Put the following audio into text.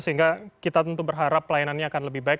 sehingga kita tentu berharap pelayanannya akan lebih baik